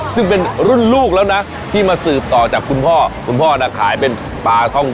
ถุงเล็ก๕๐บาทมีนครับ